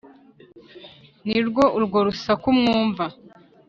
Ni rwo urwo rusaku mwumva.